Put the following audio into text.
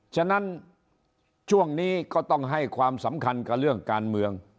ฉะนั้นช่วงนี้ก็ต้องให้ความสำคัญกับเรื่องการเมือง